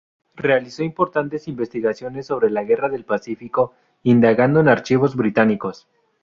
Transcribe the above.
Realizó importantes investigaciones sobre la Guerra del Pacífico, indagando en archivos británicos.